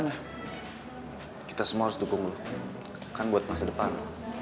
di masa depan